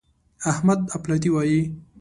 احمد اپلاتي وايي.